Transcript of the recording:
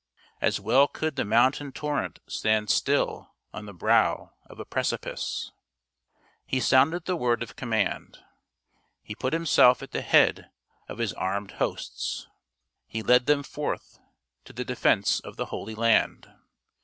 As well could the mountain torrent stand still on the brow of a precipice. He sounded the word of com mand; he put himself at the head of his armed hosts ; he led them forth to the defense of the Holy Land.